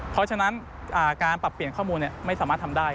เพราะฉะนั้นการปรับเปลี่ยนข้อมูลไม่สามารถทำได้